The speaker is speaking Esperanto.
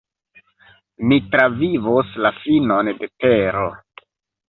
"Ni travivos la finon de tero."